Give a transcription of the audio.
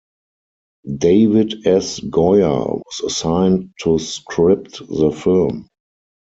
David S. Goyer was assigned to script the film.